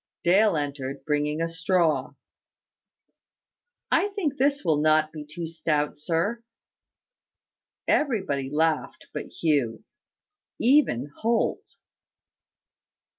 Dale entered, bringing a straw. "I think this will not be too stout, sir." Everybody laughed but Hugh even Holt.